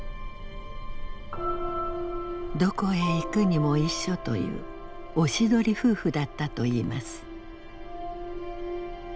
どこへ行くにも一緒というおしどり夫婦だったといいます。